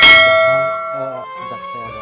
sebentar saya ada nomernya